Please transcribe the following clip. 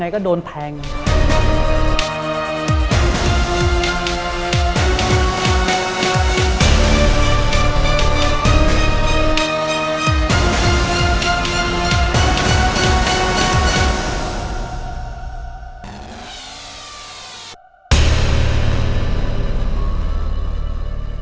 โปรดติดตามตอนต่อไป